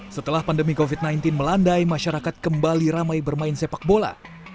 setelah pandemi covid sembilan belas melandai masyarakat kembali ramai bermain sepak bola